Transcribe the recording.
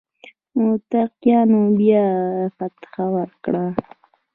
مقتديانو بيا فتحه ورکړه.